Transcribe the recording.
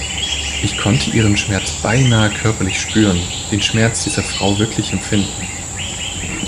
Ich konnte ihren Schmerz beinahe körperlich spüren, den Schmerz dieser Frau wirklich empfinden.